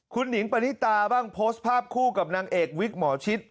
คุณหนิงปณิตาบ้างโพสต์ภาพคู่กับนางเอกวิกหมอชิด